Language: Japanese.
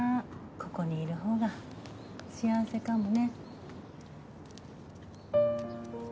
ここにいるほうが幸せかもね。